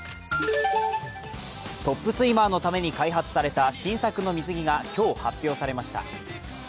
トップスイマーのために開発された新作の水着が今日発表されました。